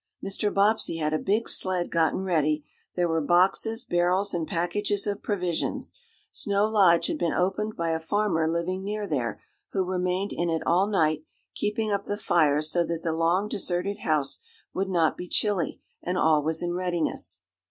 Mr. Bobbsey had a big sled gotten ready, there were boxes, barrels and packages of provisions, Snow Lodge had been opened by a farmer living near there, who remained in it all night, keeping up the fires so that the long deserted house would not be chilly, and all was in readiness.